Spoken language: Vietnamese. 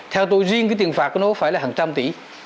theo tôi riêng cái tiền phạt của nó phải là hàng trăm tỷ